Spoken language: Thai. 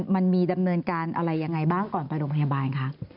ดำเนินการอะไรยังไงบ้างก่อนไปโรงพยาบาลคะ